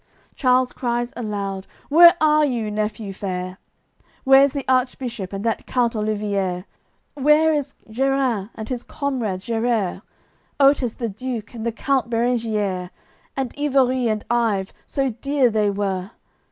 Charles cries aloud: "Where are you, nephew fair? Where's the Archbishop and that count Oliviers? Where is Gerins and his comrade Gerers? Otes the Duke, and the count Berengiers And Ivorie, and Ive, so dear they were?